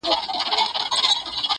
زما وطن هم لکه غښتلی چنار!.